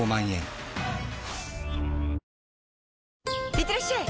いってらっしゃい！